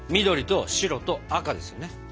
緑と白と赤ですよね。